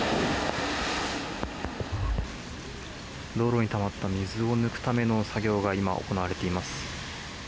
道路にたまった水を抜くための作業が今、行われています。